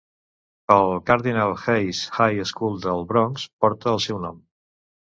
El Cardinal Hayes High School del Bronx porta el seu nom.